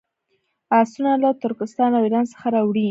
آسونه له ترکستان او ایران څخه راوړي.